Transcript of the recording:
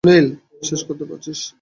বিশ্বাস করতে পারছিস?